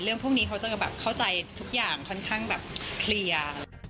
พวกนี้เขาจะแบบเข้าใจทุกอย่างค่อนข้างแบบเคลียร์